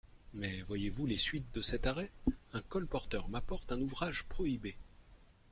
Mais voyez-vous les suites de cet arrêt ? Un colporteur m'apporte un ouvrage prohibé.